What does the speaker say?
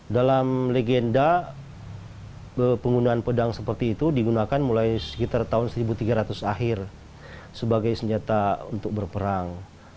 dalam legenda penggunaan pedang seperti itu digunakan mulai sekitar tahun seribu tiga ratus akhir sebagai senjata untuk berperang